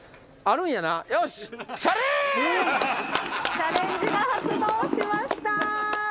チャレンジが発動しました。